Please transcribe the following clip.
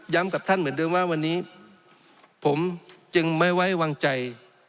กับท่านเหมือนเดิมว่าวันนี้ผมจึงไม่ไว้วางใจ